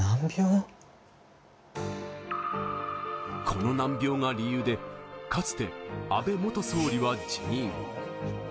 この難病が理由で、かつて安倍元総理は辞任。